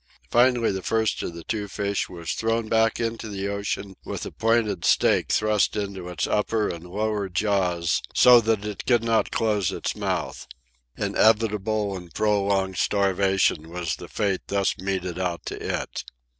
Finally, the first of the two fish was thrown back into the ocean with a pointed stake thrust into its upper and lower jaws so that it could not close its mouth. Inevitable and prolonged starvation was the fate thus meted out to it.